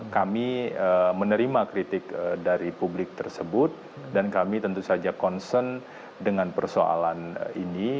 kami menerima kritik dari publik tersebut dan kami tentu saja concern dengan persoalan ini